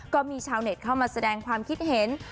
ก็มีชาวเน็ตเข้ามาแสดงความคิดเห็น